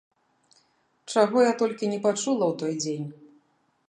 Чаго я толькі не пачула ў той дзень.